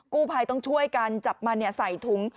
กู้ไพต้องช่วยกันจับมาใส่ทุง